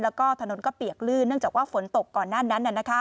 แล้วก็ถนนก็เปียกลื่นเนื่องจากว่าฝนตกก่อนหน้านั้น